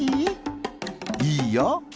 「いいよ」。